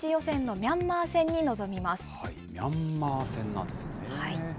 ミャンマー戦なんですね。